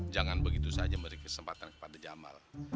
jangan begitu saja memberi kesempatan pada jamal